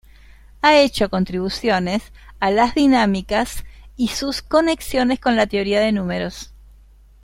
Ha hecho contribuciones a las dinámicas y sus conexiones con la teoría de números.